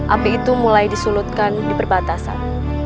api itu mulai disulutkan di perbatasan